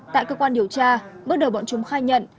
tại cơ quan điều tra bước đầu bọn chúng khai nhận